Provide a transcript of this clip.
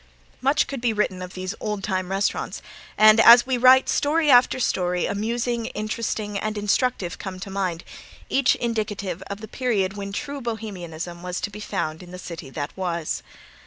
Much could be written of these old time restaurants, and as we write story after story amusing, interesting, and instructive come to mind, each indicative of the period when true Bohemianism was to be found in the City that Was.